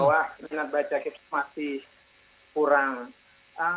bahwa minat baca kita masih kurang